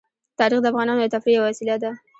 تاریخ د افغانانو د تفریح یوه وسیله ده.